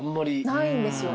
ないんですよ